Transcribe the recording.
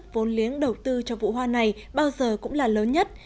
vốn liếng đầu tư cho vụ hoa này bao giờ cũng là lớn nhất